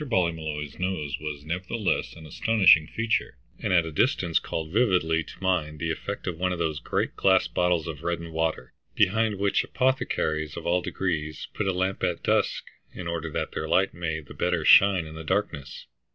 Ballymolloy's nose was nevertheless an astonishing feature, and at a distance called vividly to mind the effect of one of those great glass bottles of reddened water, behind which apothecaries of all degrees put a lamp at dusk in order that their light may the better shine in the darkness.